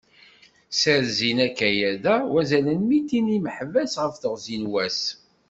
Sserzin akayad-a wazal n mitin n yimeḥbas ɣef teɣzi n wass.